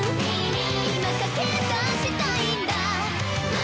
「『今駆けだしたいんだ．．．！！』」